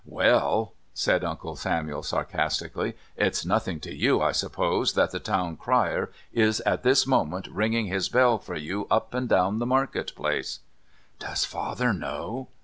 "Well," said Uncle Samuel sarcastically. "It's nothing to you, I suppose, that the town crier is at this moment ringing his bell for you up and down the Market Place?" "Does father know?"